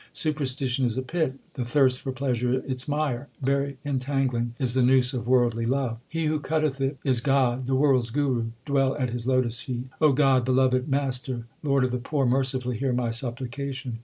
Superstition is a pit, the thirst for pleasure its mire ; very entangling is the noose of worldly love. He who cutteth it is God, the world s Guru ; dwell at His lotus feet. O God, beloved Master, Lord of the poor, mercifully hear my supplication.